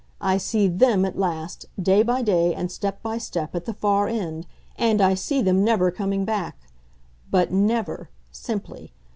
I see THEM at last, day by day and step by step, at the far end and I see them never come back. But NEVER simply.